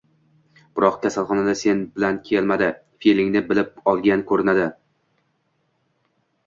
Biroq kasalxonaga sen bilan kelmadi fe`lingni bilib olgan ko`rinadi